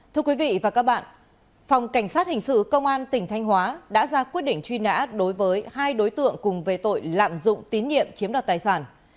thưa quý vị và các bạn phòng cảnh sát hình sự công an tỉnh thanh hóa đã ra quyết định truy nã đối với hai đối tượng cùng về tội lạm dụng tín nhiệm chiếm đoạt tài sản